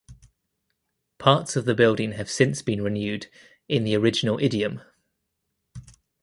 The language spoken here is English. Parts of the building have since been renewed in the original idiom.